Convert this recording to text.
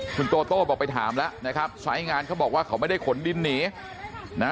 คุณโตโต้บอกไปถามแล้วนะครับสายงานเขาบอกว่าเขาไม่ได้ขนดินหนีนะ